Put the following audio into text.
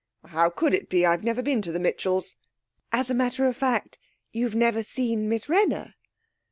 'How could it be? I have never been to the Mitchells.' 'As a matter of fact, you've never seen Miss Wrenner?'